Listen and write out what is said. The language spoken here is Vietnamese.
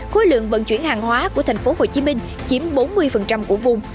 khối lượng vận chuyển hàng hóa của thành phố hồ chí minh chiếm bốn mươi của vùng